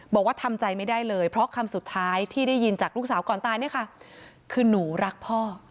บอกว่าทำใจไม่ได้เลยเพราะคำสุดท้ายที่ได้ยินจากลูกสาวก่อนตายเนี่ยค่ะคือหนูรักพ่อ